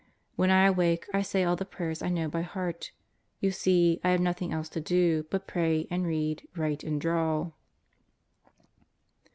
When I awake I say all the prayers I know by heart. You see, I have nothing else to do but pray and read, write and draw.